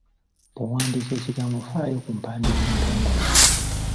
Bw’owandiika ekigambo faayo ku mpandiika entongole.